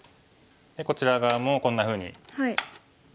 こちら側もこんなふうに。